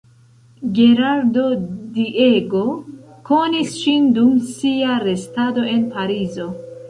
Gerardo Diego konis ŝin dum sia restado en Parizo.